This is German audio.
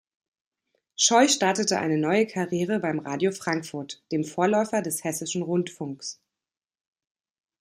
Scheu startete eine neue Karriere beim Radio Frankfurt, dem Vorläufer des Hessischen Rundfunks.